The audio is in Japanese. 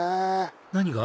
何が？